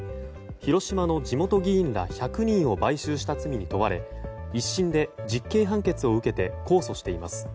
広島の地元議員ら１００人を買収した罪に問われ１審で実刑判決を受けて控訴しています。